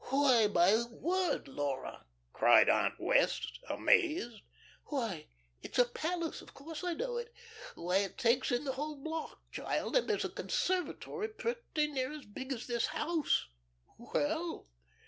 "Why, my word, Laura," cried Aunt Wess' amazed, "why, it's a palace! Of course I know it. Why, it takes in the whole block, child, and there's a conservatory pretty near as big as this house. Well!"